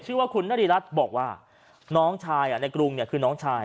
ชื่อว่าคุณนริรัฐบอกว่าน้องชายในกรุงเนี่ยคือน้องชาย